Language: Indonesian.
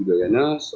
tidak ada masalah